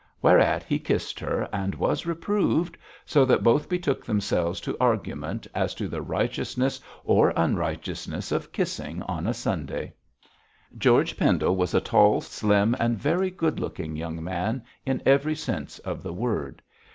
Whereat he kissed her and was reproved, so that both betook themselves to argument as to the righteousness or unrighteousness of kissing on a Sunday. George Pendle was a tall, slim, and very good looking young man in every sense of the word.